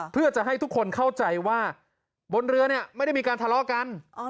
เพื่อจะให้ทุกคนเข้าใจว่าบนเรือเนี่ยไม่ได้มีการทะเลาะกัน